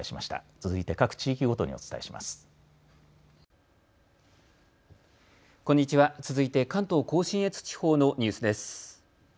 続いて関東甲信越地方のニュースです。